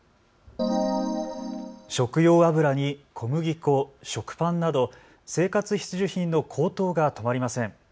食用油に小麦粉、食パンなど生活必需品の高騰が止まりません。